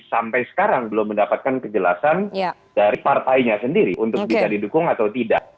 sampai sekarang belum mendapatkan kejelasan dari partainya sendiri untuk bisa didukung atau tidak